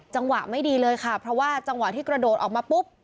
จังหวะไม่ดีเลยค่ะเพราะว่าจังหวะที่กระโดดออกมาปุ๊บ